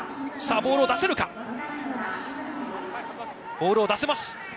ボールを出せます。